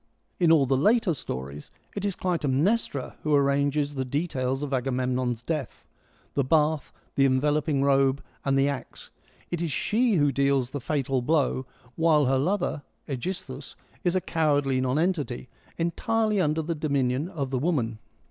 In all the later stories it is Clytemnestra who arranges the details of Agamemnon's death — the bath, the enveloping robe, and the axe ; it is she who deals the fatal blow, while her lover, ^gisthus, is a cowardly nonentity, entirely under the dominion of the woman.